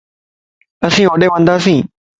اسين ھوڏي ونداسين